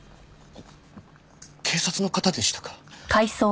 警察の方でしたか。